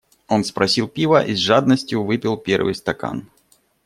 Он спросил пива и с жадностию выпил первый стакан.